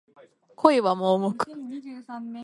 恋は盲目